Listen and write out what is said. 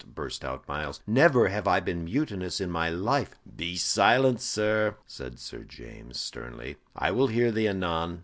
burst out Myles. "Never have I been mutinous in my life." "Be silent, sir," said Sir James, sternly. "I will hear thee anon."